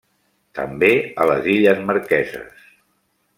També a les Illes Marqueses.